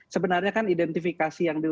sebenarnya kan identifikasi yang